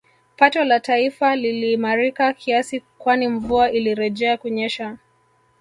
Pato la taifa liliimarika kiasi kwani mvua ilirejea kunyesha